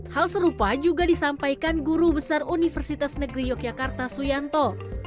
hal serupa juga disampaikan guru besar universitas negeri yogyakarta suyanto